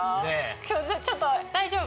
今日ちょっと大丈夫？